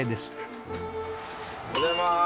おはようございます。